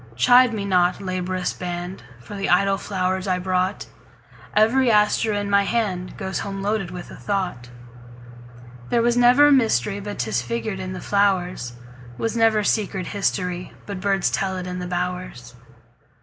Chide me not, laborious band, For the idle flowers I brought; Every aster in my handGoes home loaded with a thought. There was never mysteryBut 'tis figured in the flowers; SWas never secret historyBut birds tell it in the bowers.